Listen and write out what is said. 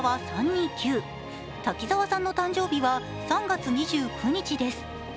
滝沢さんの誕生日は３月２９日です。